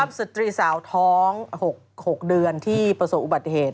สตรีสาวท้อง๖เดือนที่ประสบอุบัติเหตุ